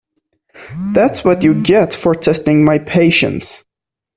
That’s what you get for testing my patience.